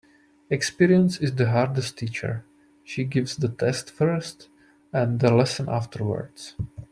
Experience is the hardest teacher. She gives the test first and the lesson afterwards.